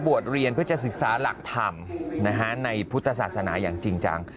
เรียนเพื่อจะศึกษาหลักธรรมในพุทธศาสนาอย่างจริงจัง